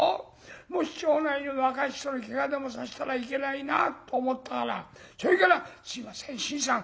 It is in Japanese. もし町内の若い人にけがでもさせたらいけないなと思ったからそれから『すいません新さん。